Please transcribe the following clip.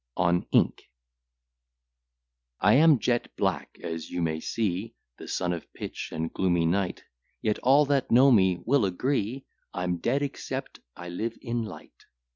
ON INK I am jet black, as you may see, The son of pitch and gloomy night: Yet all that know me will agree, I'm dead except I live in light.